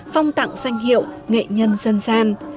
phong tặng danh hiệu nghệ nhân dân gian